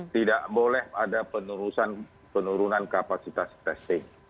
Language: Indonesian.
tidak boleh ada penurunan kapasitas testing